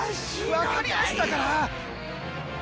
分かりましたから。